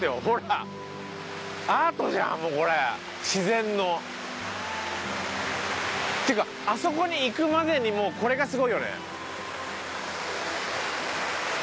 ほらアートじゃんもうこれ自然の。っていうかあそこに行くまでにもうこれがすごいよね。